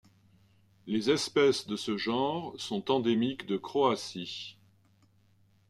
Les espèces de ce genre sont endémiques de Croatie.